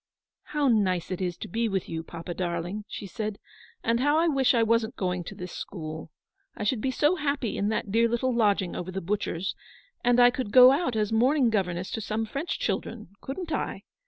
" How nice it is to be with you, papa, darling," she said, " and how I wish I wasn't going to this school. I should be so happy in that dear little lodging over the butcher's, and I could go out as morning governess to some French children, couldn't I